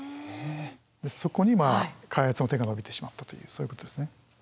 そこにまあ開発の手が伸びてしまったというそういうことですね。